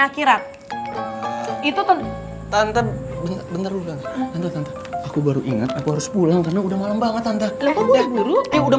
akhirat itu tante bener bener aku baru ingat aku harus pulang karena udah malam banget tante udah